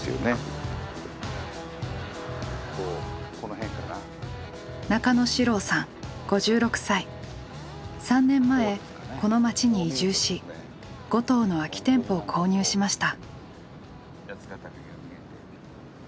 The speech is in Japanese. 何かこう３年前この街に移住し５棟の空き店舗を購入しました。